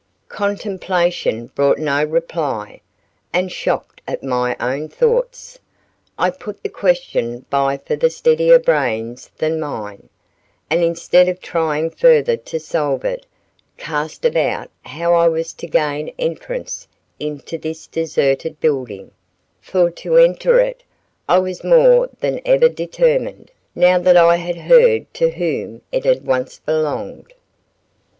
Contemplation brought no reply, and shocked at my own thoughts, I put the question by for steadier brains than mine; and instead of trying further to solve it, cast about how I was to gain entrance into this deserted building; for to enter it I was more than ever determined, now that I had heard to whom it had once belonged.